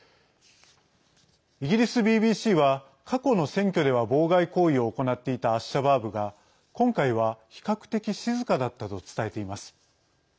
イギリスＢＢＣは過去の選挙では妨害行為を行っていたアッシャバーブが今回は、比較的静かだったと伝えています。